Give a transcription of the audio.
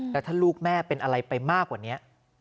แล้วถ้าลูกแม่เป็นอะไรไปมากกว่านี้